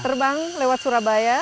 terbang lewat surabaya